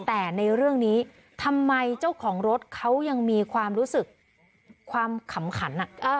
แต่ในเรื่องนี้ทำไมเจ้าของรถเขายังมีความรู้สึกความขำขัน